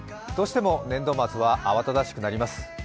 どうしても年度末は慌ただしくなります。